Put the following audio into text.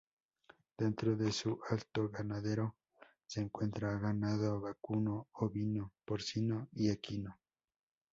Dentro de su ato ganadero se encuentra ganado vacuno, ovino, porcino, y equino.